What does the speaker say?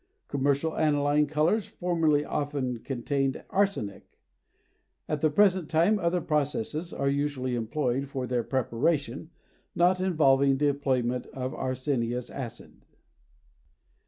Commercial aniline colors formerly often contained arsenic; at the present time other processes are usually employed for their preparation, not involving the employment of arsenious acid.